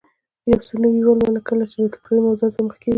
یو څه نوي ولولو، کله چې له تکراري موضوعاتو سره مخ کېږو